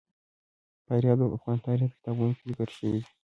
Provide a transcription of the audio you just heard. فاریاب د افغان تاریخ په کتابونو کې ذکر شوی دي.